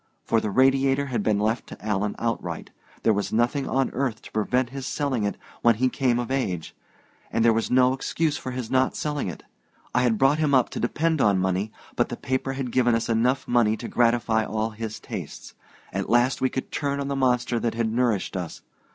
For the Radiator had been left to Alan outright there was nothing on earth to prevent his selling it when he came of age. And there was no excuse for his not selling it. I had brought him up to depend on money, but the paper had given us enough money to gratify all his tastes. At last we could turn on the monster that had nourished us.